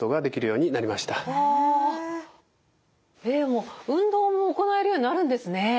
もう運動も行えるようになるんですね。